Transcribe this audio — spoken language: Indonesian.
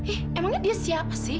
eh emangnya dia siap sih